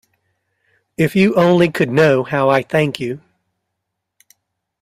If you only could know how I thank you.